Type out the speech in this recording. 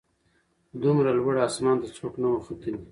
دومره لوړ اسمان ته څوک نه وه ختلي